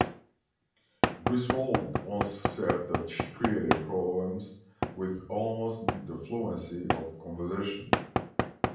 Griswold once said that she created poems "with almost the fluency of conversation".